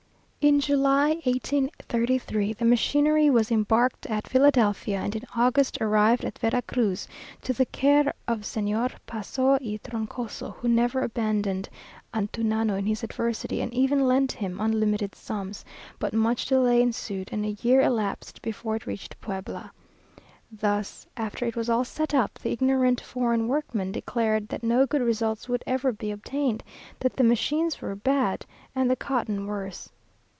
In July, 1833, the machinery was embarked at Philadelphia, and in August arrived at Vera Cruz, to the care of Señor Paso y Troncoso, who never abandoned Antunano in his adversity, and even lent him unlimited sums; but much delay ensued, and a year elapsed before it reached Puebla. There, after it was all set up, the ignorant foreign workmen declared that no good results would ever be obtained; that the machines were bad, and the cotton worse.